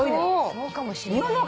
そうかもしれないね。